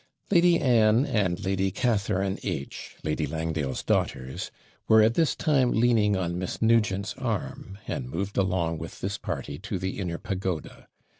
Lady Anne and Lady Catharine H , Lady Langdale's daughters, were at this time leaning on Miss Nugent's arm, and moved along with this party to the inner pagoda.